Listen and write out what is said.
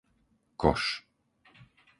Koš